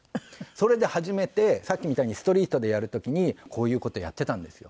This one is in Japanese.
それで初めてさっきみたいにストリートでやる時にこういう事をやってたんですよ。